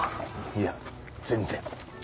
いや全然。